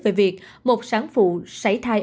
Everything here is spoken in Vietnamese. về việc một sáng phụ xảy thai